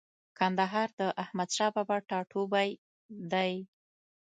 کندهار د احمدشاه بابا ټاټوبۍ دی.